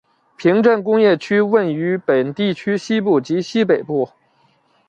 平镇工业区位于本地区西部及西北部。